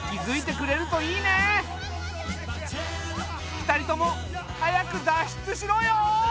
２人とも早く脱出しろよ！